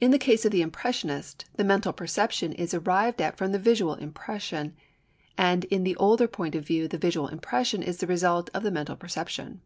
In the case of the Impressionist the mental perception is arrived at from the visual impression, and in the older point of view the visual impression is the result of the mental perception.